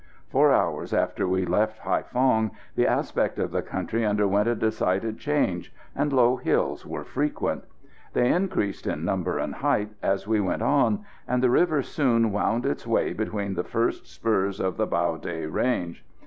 Four hours after we left Haïphong the aspect of the country underwent a decided change, and low hills were frequent. They increased in number and height as we went on, and the river soon wound its way between the first spurs of the Bao Day range.